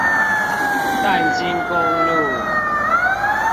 淡金公路